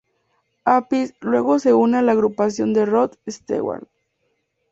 Appice luego se une a la agrupación de Rod Stewart.